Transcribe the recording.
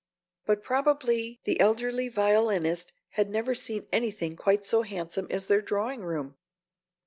But probably the elderly violinist had never seen anything quite so handsome as their drawing room.